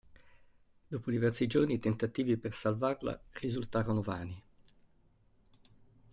Dopo diversi giorni, i tentativi per salvarla risultarono vani.